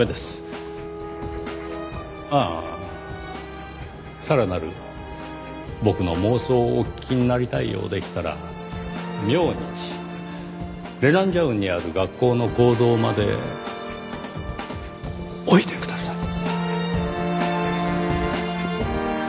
ああさらなる僕の妄想をお聞きになりたいようでしたら明日レナンジャウンにある学校の講堂までおいでください。